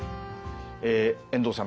遠藤さん